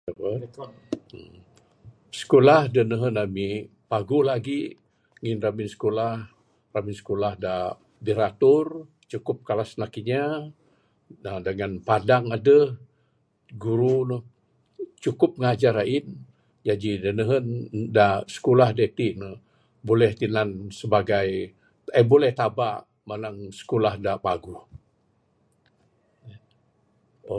Sikulah da nehen ami paguh lagik ngin ramin sikulah...ramin sikulah da biratur cukup kelas anak inya uhh dangan padang adeh...guru ne cukup ngajar ain jaji da nehen da sikulah da itin ne buleh tinan sibagai uhh buleh tabak manang sikulah da paguh.